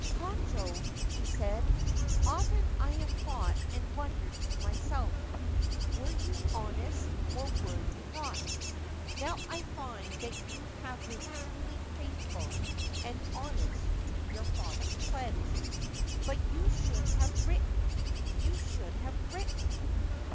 ' Konojo/ he said, ' often have I thought and wondered to myself, Were you honest or were you not ? Now I find that you have been truly faithful, and honest to your father's pledge. But you should have written — you should have written